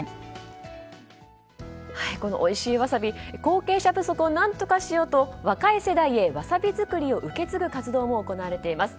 おいしいワサビ後継者不足を何とかしようと若い世代へワサビ作りを受け継ぐ活動も行われています。